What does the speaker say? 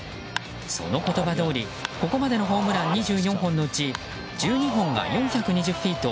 その言葉どおりここまでのホームラン２４本のうち１２本が４２０フィート